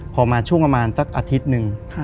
พอมาช่วงประมาณสักอาทิตย์หนึ่ง